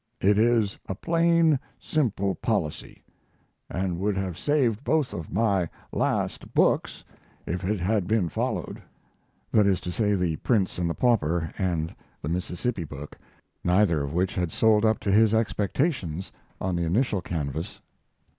It is a plain, simple policy, and would have saved both of my last books if it had been followed. [That is to say, 'The Prince and the Pauper' and the Mississippi book, neither of which had sold up to his expectations on the initial canvass.